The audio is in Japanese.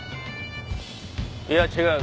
いや違う。